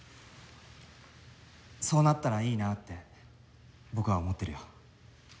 そうなったらいいなって僕は思ってるよ。